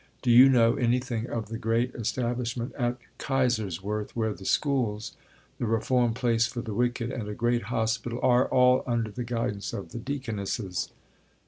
Do you know anything of the great establishment at Kaiserswerth, where the schools, the reform place for the wicked, and a great hospital are all under the guidance of the Deaconesses?"